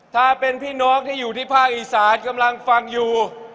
ถ้าเป็นพี่น้องที่อยู่ที่ภาคอีสานกำลังฟังอยู่